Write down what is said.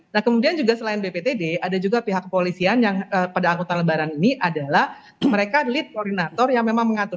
nah kemudian juga selain bptd ada juga pihak kepolisian yang pada angkutan lebaran ini adalah mereka lead koordinator yang memang mengatur